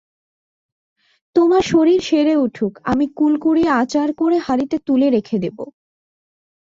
তোমার শরীর সেরে উঠুক, আমি কুল কুড়িয়ে আচার করে হাঁড়িতে তুলে রেখে দেবো।